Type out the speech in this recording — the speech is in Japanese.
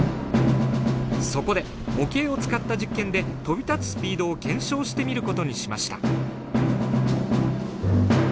そこで模型を使った実験で飛び立つスピードを検証してみることにしました。